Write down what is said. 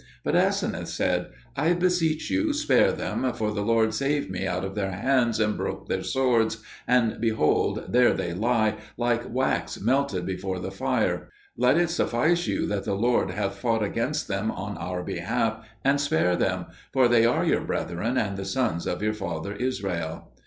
But Aseneth said, "I beseech you, spare them, for the Lord saved me out of their hands and broke their swords, and, behold, there they lie, like wax melted before the fire. Let it suffice you that the Lord hath fought against them on our behalf, and spare them, for they are your brethren and the sons of your father Israel."